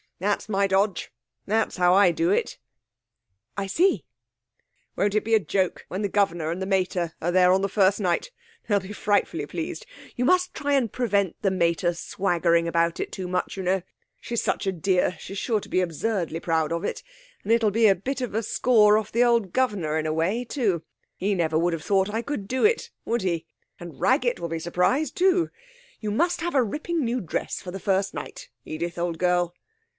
That's my dodge. That's how I do it.' 'I see.' 'Won't it be a joke when the governor and the mater are there on the first night? They'll be frightfully pleased. You must try and prevent the mater swaggering about it too much, you know. She's such a dear, she's sure to be absurdly proud of it. And it'll be a bit of a score off the governor in a way, too. He never would have thought I could do it, would he? And Raggett will be surprised, too. You must have a ripping new dress for the first night, Edith, old girl.'